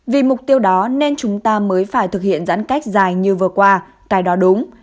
vì mục tiêu đó nên chúng ta mới phải thực hiện giãn cách dài như vừa qua cái đó đúng